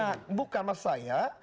nah bukan mas saya